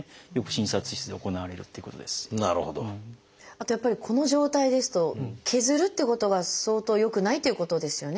あとやっぱりこの状態ですと削るっていうことが相当よくないということですよね？